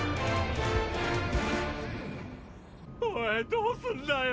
おいどうすんだよ